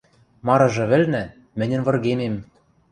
Марыжы вӹлнӹ – мӹньӹн выргемем.